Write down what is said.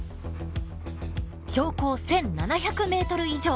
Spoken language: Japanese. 標高１，７００ｍ以上！